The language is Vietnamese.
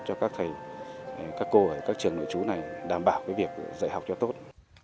cho các thầy các cô ở các trường nội trú này đảm bảo cái việc dạy học cho tốt